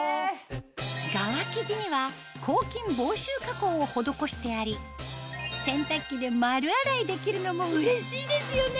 側生地にはを施してあり洗濯機で丸洗いできるのもうれしいですよね！